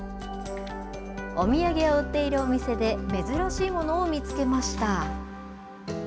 お土産を売っているお店で、珍しいものを見つけました。